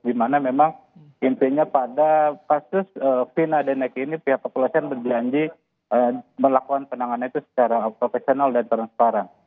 di mana memang intinya pada kasus fina danake ini pihak kepolisian berjanji melakukan penanganan itu secara profesional dan transparan